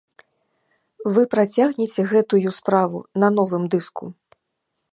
Вы працягнеце гэтую справу на новым дыску?